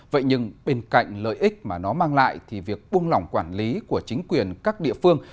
vậy nhưng bên cạnh lợi ích mà nó mang lại thì việc buông lỏng quản lý của chính quyền các địa phương